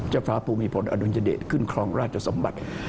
ฟ้าภูมิพลอดุลยเดชขึ้นครองราชสมบัติ